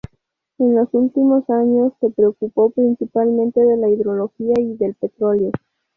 En los últimos años se preocupó principalmente de la hidrología y del petróleo.